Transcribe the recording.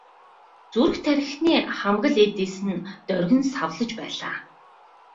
Зүрх тархины хамаг л эд эс нь доргин савлаж байлаа.